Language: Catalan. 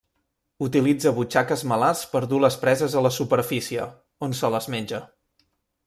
Utilitza butxaques malars per dur les preses a la superfície, on se les menja.